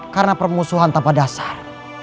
karena permusuhan tanpa dasar